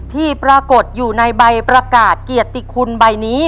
ที่ปรากฏอยู่ในใบประกาศเกียรติคุณใบนี้